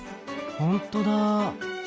ほんとだ。